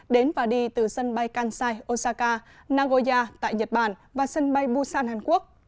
đến và đi từ sân bay kansai osaka nagoya tại nhật bản và sân bay busan hàn quốc